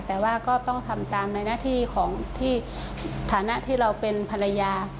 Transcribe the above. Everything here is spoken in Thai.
แต่ว่าก็ต้องทำตามในหน้าที่ของที่ฐานะที่เราเป็นภรรยา